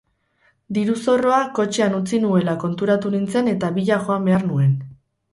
Diru-zorroa kotxean utzi nuela konturatu nintzen eta bila joan behar nuen.